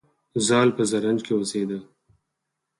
زال په زرنج کې اوسیده